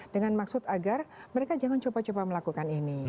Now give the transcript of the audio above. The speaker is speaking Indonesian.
dengan maksud agar mereka jangan coba coba melakukan ini